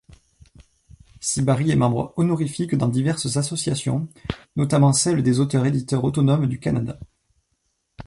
Sibari est membre honorifique dans diverses associations, notamment celle des Auteurs-Éditeurs Autonomes du Canada.